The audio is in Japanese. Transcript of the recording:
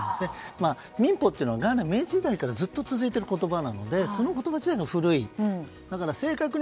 民法っていうのは明治時代からずっと続いている言葉なのでその言葉自体が古い。